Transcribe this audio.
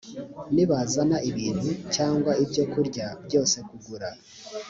nibazana ibintu cyangwa ibyo kurya byose kugura